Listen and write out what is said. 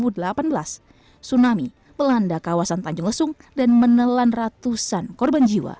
tsunami melanda kawasan tanjung lesung dan menelan ratusan korban jiwa